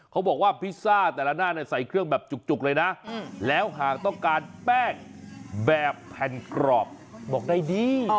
เขาบอกว่าพิซซ่าแต่ละหน้าใส่เครื่องแบบจุกเลยนะแล้วหากต้องการแป้งแบบแผ่นกรอบบอกได้ดี